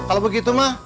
kalo begitu mah